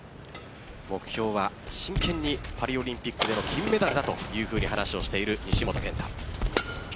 目標は真剣にパリオリンピックでの金メダルだと話をしている西本拳太。